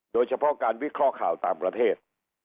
โดยเฉพาะการวิเคราะห์ข่าวต่างประเทศ